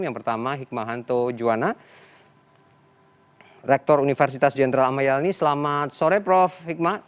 yang pertama hikmahanto juwana rektor universitas jenderal amayani selamat sore prof hikmah